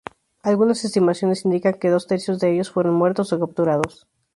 Algunas estimaciones indican que dos tercios de ellos fueron muertos o capturados.